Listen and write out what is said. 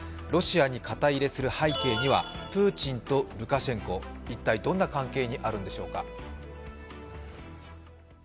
ロシアに肩入れする背景にはプーチンとルカシェンコ、一体どんな関係にあるんでしょうか。